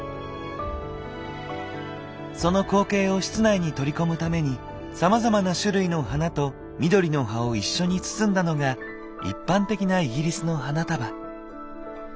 その光景を室内に取り込むためにさまざまな種類の花と緑の葉を一緒に包んだのが一般的なイギリスの花束。